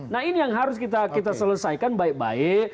nah ini yang harus kita selesaikan baik baik